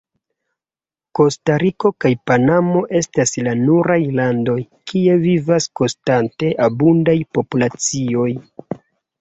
Kostariko kaj Panamo estas la nuraj landoj, kie vivas konstante abundaj populacioj.